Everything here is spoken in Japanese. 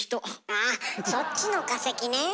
あぁそっちの化石ね。